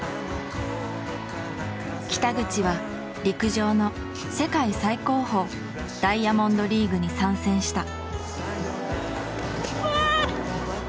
北口は陸上の世界最高峰ダイヤモンドリーグに参戦した。